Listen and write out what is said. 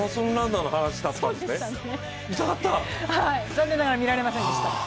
残念ながら、見られませんでした。